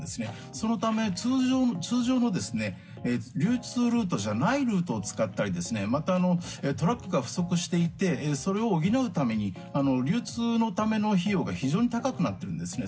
そのため、通常の流通ルートじゃないルートを使ったりまた、トラックが不足していてそれを補うために流通のための費用が非常に高くなっているんですね。